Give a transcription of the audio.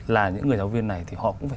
là những người giáo viên này thì họ cũng phải